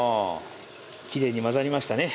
きれいに混ざりましたね。